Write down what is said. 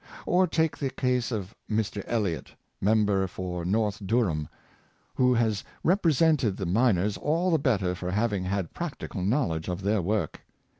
Or take the case of Mr. Elliott, member for North Durham, who has represented the miners all the better for having had practical knowledge of their work.